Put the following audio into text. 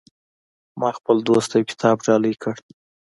ما خپل دوست ته یو کتاب ډالۍ کړو